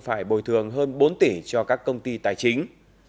phải bồi thường hơn bốn tỷ cho các công ty tài chính